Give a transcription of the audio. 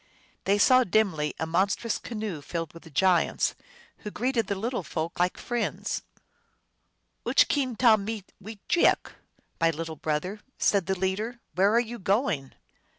They saw dimly a monstrous canoe filled with giants, who greeted the little folk like friends. " Uch keen, tahmee wejeaok f "" My little brother," said the leader, " where are you going ?